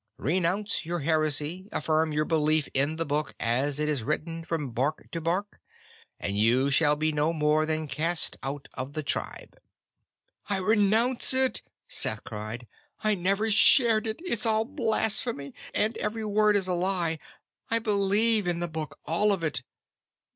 Renounce your heresy, affirm your belief in the Book as it is written from bark to bark, and you shall be no more than cast out of the tribe." "I renounce it!" Seth cried. "I never shared it! It's all blasphemy and every word is a lie! I believe in the Book, all of it!"